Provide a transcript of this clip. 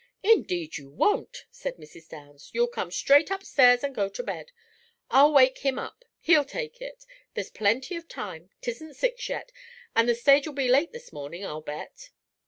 "Indeed you won't," said Mrs. Downs. "You'll come straight upstairs and go to bed. I'll wake him up. He'll take it. There's plenty of time. 'T isn't six yet, and the stage'll be late this morning, I'll bet."